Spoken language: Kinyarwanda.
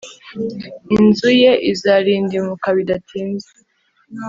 inzu ye izarindimuka bidatinze